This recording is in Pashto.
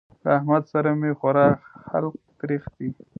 له احمد سره مې خورا حلق تريخ دی.